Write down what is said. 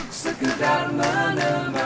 kau sebar pendidikan ku jiwamu